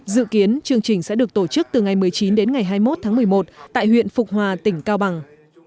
dự kiến chương trình sẽ được tổ chức từ ngày một mươi chín đến ngày hai mươi một tháng một mươi một tại huyện phục hòa tỉnh cao bằng